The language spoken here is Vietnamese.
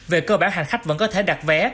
về cơ bản hành khách vẫn có thể đặt vé